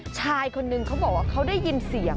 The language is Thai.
ชายคนนึงเขาบอกว่าเขาได้ยินเสียง